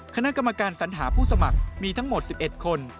คณะกรรมการสัญหาผู้สมัครมีทั้งหมด๑๑คน